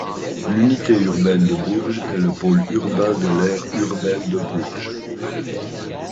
L'unité urbaine de Bourges est le pôle urbain de l'aire urbaine de Bourges.